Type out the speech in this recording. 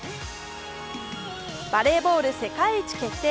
バレーボール世界一決定